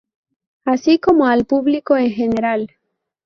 Así como al público en general.